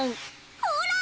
ほら！